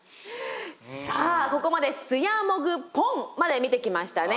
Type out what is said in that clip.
さあここまでスヤモグポンまで見てきましたね。